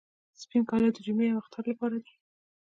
سپین کالي د جمعې او اختر لپاره دي.